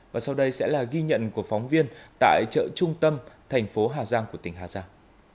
và sau đây sẽ là ghi nhận của phóng viên tại chợ trung tâm thành phố hà giang của tỉnh hà giang